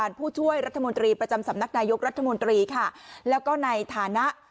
สีจะไม่ทน